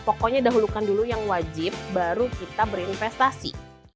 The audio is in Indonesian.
pokoknya dahulukan dulu yang wajib baru kita berinvestasi